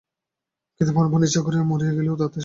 কিন্তু প্রাণপণে ইচ্ছা করিয়া মরিয়া গেলেও তো সেই হইবে না।